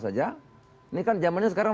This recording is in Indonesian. saja ini kan zamannya sekarang